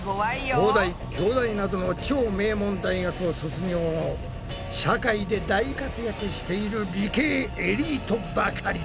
東大京大などの超名門大学を卒業後社会で大活躍している理系エリートばかりだ。